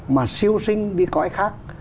mà siêu sinh đi cõi khác